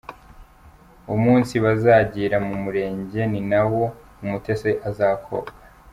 Umunsi bazagira mu Murenge ni na wo Umutesi azakobwa.